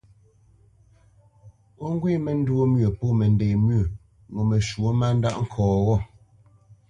O ŋgwé məntwô myə pô mənde myə́ ŋo məshwɔ̂ má ndá nkɔ́ ghô.